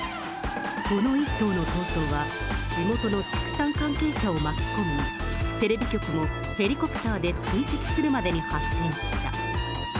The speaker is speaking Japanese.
この１頭の逃走は、地元の畜産関係者を巻き込み、テレビ局もヘリコプターで追跡するまでに発展した。